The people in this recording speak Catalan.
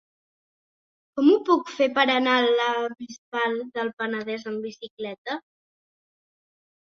Com ho puc fer per anar a la Bisbal del Penedès amb bicicleta?